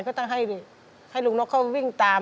ก็ต้องให้ลุงนกเขาวิ่งตาม